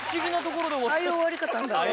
ああいう終わり方あるんだね。